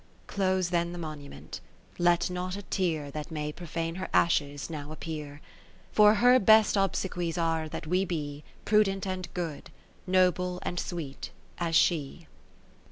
60 Close then the monument ; let not a tear That may profane her ashes now appear : For her best obsequies are that we be Prudent and Good, Noble and Sweet, as she.